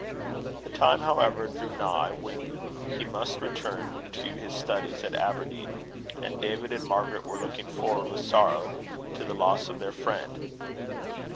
The time, however, drew nigh when he must return to his studies at Aberdeen; and David and Margaret were looking forward with sorrow to the loss of their friend.